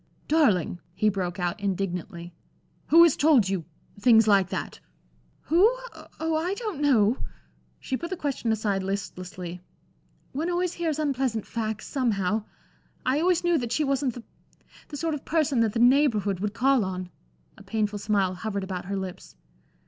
"Darling," he broke out, indignantly, "who has told you things like that?" "Who? Oh! I don't know." She put the question aside listlessly. "One always hears unpleasant facts, somehow. I always knew that she wasn't the the sort of person that the Neighborhood would call on" a painful smile hovered about her lips.